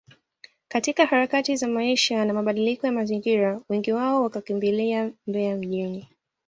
katika harakati za maisha na mabadiliko ya mazingira wengi wao wakakimbilia Mbeya mjini